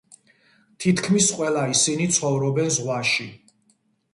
თითქმის ყველა ისინი ცხოვრობენ ზღვაში.